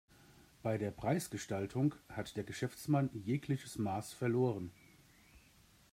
Bei der Preisgestaltung hat der Geschäftsmann jegliches Maß verloren.